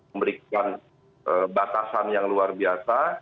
memberikan batasan yang luar biasa